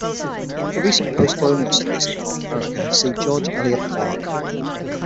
For recent post-colonial studies in North America see George Elliott Clarke.